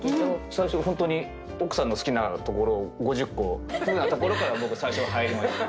最初本当に奥さんの好きなところを５０個。っていうふうなところから僕最初は入りました。